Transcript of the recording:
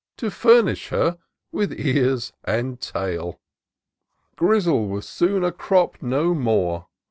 To fiimish her with ears and tail. Grizzle was soon a crop no more.